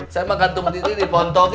saya mah gantung diri dipontoknya